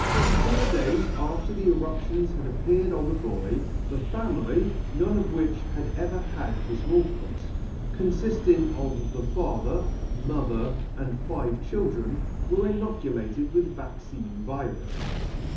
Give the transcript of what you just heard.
Four days after the eruptions had appeared upon the boy, the family (none of which had ever had the Small Pox), confifting of the father, mother, and five chil dren, were inoculated with vaccine virus.